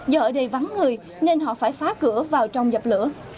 do ở đây vắng người nên họ phải phá cửa vào trong dập lửa